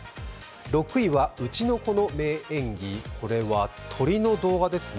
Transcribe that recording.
６位はうちの子の名演技、これは鳥の動画ですね。